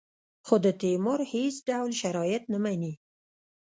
خو د تیمور هېڅ ډول شرایط نه مني.